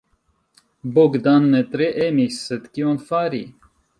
Bogdan ne tre emis, sed kion fari?